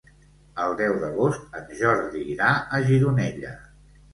El deu d'agost en Jordi irà a Gironella.